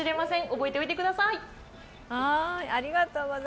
覚えておいてください！